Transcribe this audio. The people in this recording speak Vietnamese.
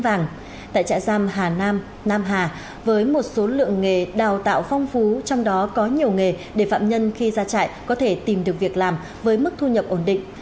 tại trại giam hà nam nam hà với một số lượng nghề đào tạo phong phú trong đó có nhiều nghề để phạm nhân khi ra trại có thể tìm được việc làm với mức thu nhập ổn định